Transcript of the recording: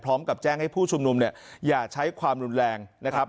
พร้อมกับแจ้งให้ผู้ชุมนุมเนี่ยอย่าใช้ความรุนแรงนะครับ